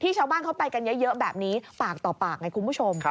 ชาวบ้านเขาไปกันเยอะแบบนี้ปากต่อปากไงคุณผู้ชม